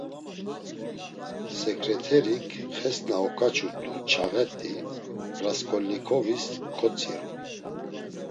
Seǩreterik xes na oǩaçurt̆u çağet̆i, Rasǩolnikovis kotziru.